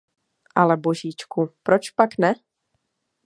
Ale božíčku, pročpak ne?